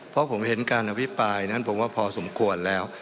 เพราะผมเห็นการอภิปรายนั้นผมว่าพอสมควรแล้ว